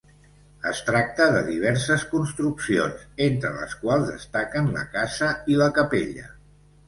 Es tracta de diverses construccions, entre les quals destaquen la casa i la capella.